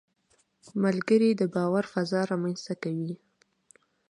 ملګری د باور فضا رامنځته کوي